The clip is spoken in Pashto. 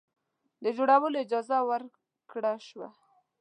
د جوړولو اجازه ورکړه شوه.